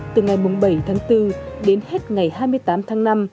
từ ngày bảy tháng bốn đến hết ngày hai mươi tám tháng năm